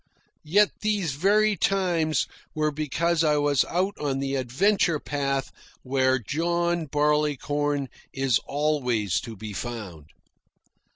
Yet these very times were because I was out on the adventure path where John Barleycorn is always to be found.